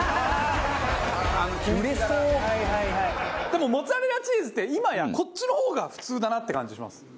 でもモッツァレラチーズって今やこっちの方が普通だなって感じします。